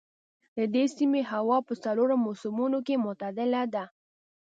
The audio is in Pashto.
د دې سيمې هوا په څلورو موسمونو کې معتدله ده.